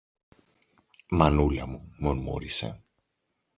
Μανούλα μου. μουρμούρισε.